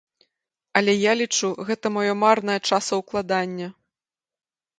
Але я лічу, гэта маё марнае часаўкладанне.